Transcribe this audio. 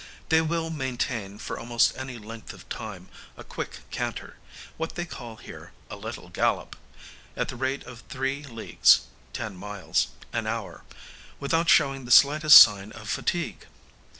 They will maintain, for almost any length of time, a quick canter what they call here 'a little gallop' at the rate of three leagues (ten miles) an hour, without showing the slightest sign of fatigue.